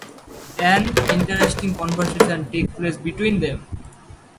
An interesting conversation takes place between them.